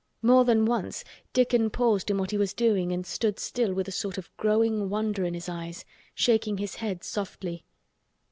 More than once Dickon paused in what he was doing and stood still with a sort of growing wonder in his eyes, shaking his head softly.